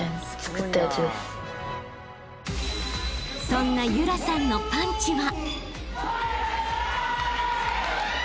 ［そんな夢空さんのパンチは］